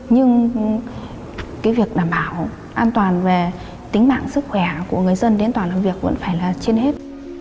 nhưng cái việc đảm bảo an toàn về tính mạng sức khỏe của người dân đến toàn làm việc vẫn phải là trên hết